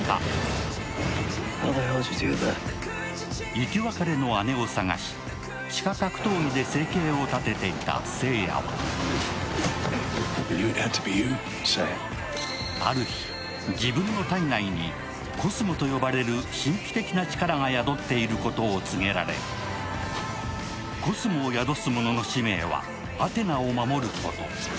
生き別れの姉を捜し地下格闘技で生計を立てていた星矢はある日、自分の体内に小宇宙と呼ばれる神秘的な力が宿っていることを告げられ、小宇宙を宿す者の使命はアテナを守ること。